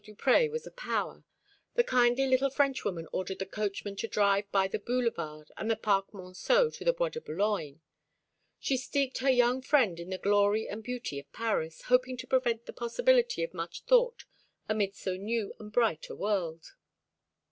Duprez was a power, the kindly little Frenchwoman ordered the coachman to drive by the Boulevard and the Parc Monceau to the Bois de Boulogne. She steeped her young friend in the glory and beauty of Paris, hoping to prevent the possibility of much thought amidst so new and bright a world.